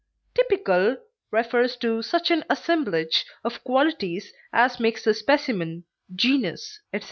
Typical refers to such an assemblage of qualities as makes the specimen, genus, etc.